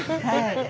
はい。